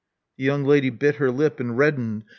The young lady bit her lip and reddened.